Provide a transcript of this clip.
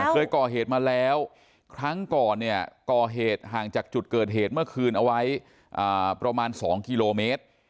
เคยก่อเหตุมาแล้วครั้งก่อนเนี่ยก่อเหตุห่างจากจุดเกิดเหตุเมื่อคืนเอาไว้ประมาณ๒กิโลเมตร